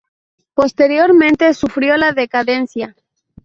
Posteriormente, sufrió la decadencia.